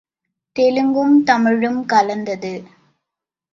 தெலுங்கும் தமிழும் கலந்தது.